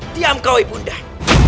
diam kau ibu undan